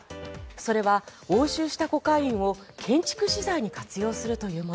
それは、押収したコカインを建築資材に活用するというもの。